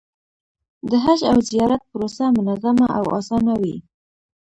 د حج او زیارت پروسه منظمه او اسانه وي.